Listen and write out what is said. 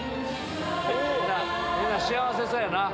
みんな幸せそうやな。